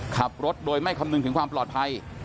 ขับรถโดยไม่คำนึงถึงความปลอดภัย